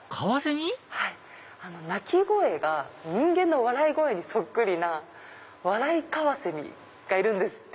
鳴き声が人間の笑い声にそっくりなワライカワセミがいるんですって。